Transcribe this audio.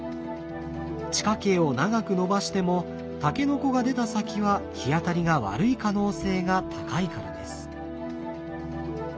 地下茎を長く伸ばしてもタケノコが出た先は日当たりが悪い可能性が高いからです。